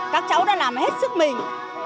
các cháu đã làm hết sức mình